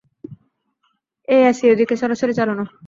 এই এসি ওদিকে, সরাসরি চালু না।